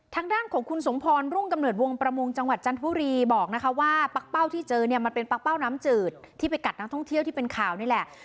ทางด้านของคุณสมพรรุ่งกำเนิดวงประมงจังหวัดจันทบุรีบอกนะคะว่าปั๊กเป้าที่เจอเนี่ยมันเป็นปั๊กเป้าน้ำจืดที่ไปกัดนักท่องเที่ยวที่เป็นข่าวนี่แหละ